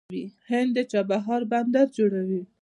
هند د چابهار بندر جوړوي.